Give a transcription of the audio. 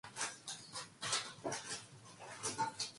그 후로 이 공장에서는 여공들에게 이런 작업복과 수건을 쓰라고 엄명하였다.